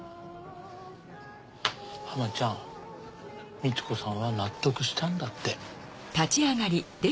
ハマちゃんみち子さんは納得したんだって。